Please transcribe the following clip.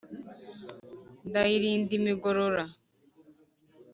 ndayirinda imigorora.